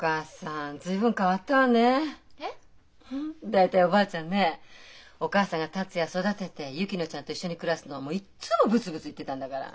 大体おばあちゃんねお母さんが達也育てて薫乃ちゃんと一緒に暮らすのいっつもブツブツ言ってたんだから。